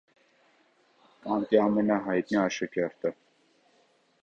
Կանտի ամենահայտնի աշակերտը։